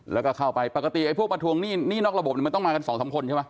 แล้วก็เข้าไปปกติไอ้พวกมาทวงหนี้นอกระบบมันต้องมากันสองสามคนใช่ไหม